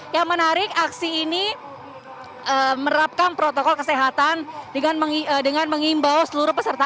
yang menarik aksi ini menerapkan protokol kesehatan dengan mengimbau seluruh peserta